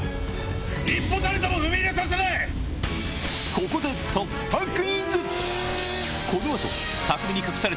ここで突破クイズ！